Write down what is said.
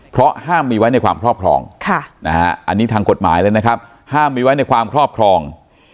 เพราะห้ามมีไว้ในความครอบครองอันนี้ทางกฎหมายเลยนะครับห้ามมีไว้ในความครอบครอง